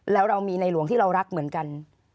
แล้วเรามีในหลวงที่เรารักเหมือนกัน